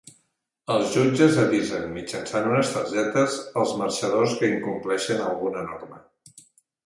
Els jutges avisen, mitjançant unes targetes, els marxadors que incompleixen alguna norma.